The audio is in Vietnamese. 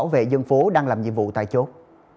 và làm nhiệm vụ tại chốt